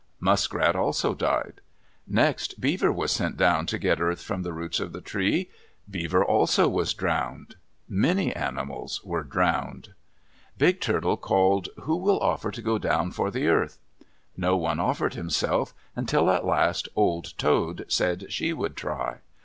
Muskrat also died. Next Beaver was sent down to get earth from the roots of the tree. Beaver also was drowned. Many animals were drowned. Big Turtle called, "Who will offer to go down for the earth?" No one offered himself, until at last Old Toad said she would try.